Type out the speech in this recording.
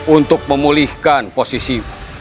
untuk memulihkan posisi